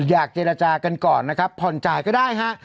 อยากเจรจากันก่อนนะครับผ่อนจ่ายก็ได้ฮะ